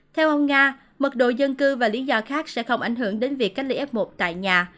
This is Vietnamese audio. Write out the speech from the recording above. theo ông nga mật độ dân cư và lý do khác sẽ không ảnh hưởng đến việc cách ly f một tại nhà